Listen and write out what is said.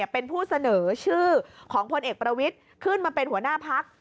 เป็นผู้เสนอชื่อของพลเอกประวิทย์ขึ้นมาเป็นหัวหน้าพัก